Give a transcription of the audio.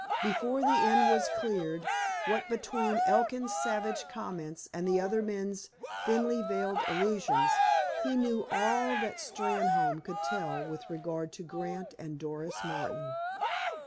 Before the inn was cleared, what between Elkin's savage comments and the other men's thinly veiled allusions, he knew all that Steynholme could tell with regard to Grant and Doris Martin.